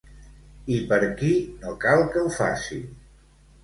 I per qui no cal que ho faci?